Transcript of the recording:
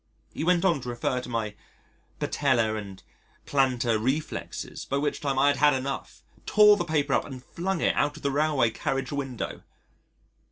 He went on to refer to my patellar and plantar reflexes, by which time I had had enough, tore the paper up and flung it out of the railway carriage window.